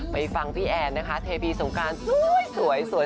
ไปฟังพี่แอนนะคะเทพีสงการสวย